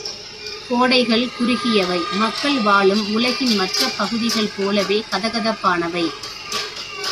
கோடைகள் குறுகியவை மக்கள் வாழும் உலகின் மற்றப் பகுதிகள் போலவே கதகதப்பானவை.